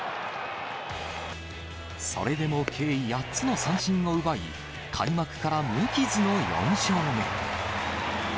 それでも計８つの三振を奪い、開幕から無傷の４勝目。